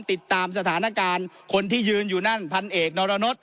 ติดตามสถานการณ์คนที่ยืนอยู่นั่นพันเอกนรนด